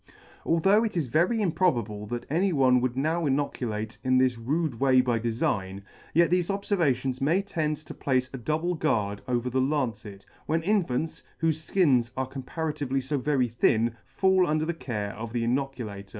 Although it is very improbable that any one would now inoculate in this rude way by defign, yet thefe obfervations may tend to place a double guard over the lancet, when infants, whofe fkins are comparatively fo very thin, fall under the care of the inoculator.